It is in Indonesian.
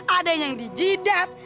ada yang di jidat